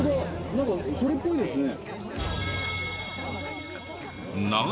なんかそれっぽいですね。